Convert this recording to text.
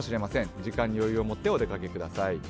時間に余裕を持ってお出かけください。